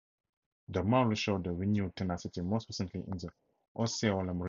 The Maulers showed their renewed tenacity most recently in the Osceola rematch.